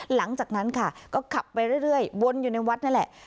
หลังจากนั้นค่ะก็ขับไปเรื่อยวนอยู่ในวัดนั่นแหละ